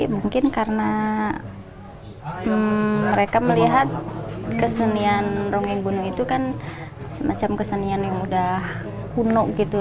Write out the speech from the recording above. mungkin karena mereka melihat kesenian rongeng gunung itu kan semacam kesenian yang udah kuno gitu